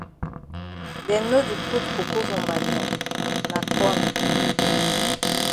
Dem no di put coco for mbanda na corn.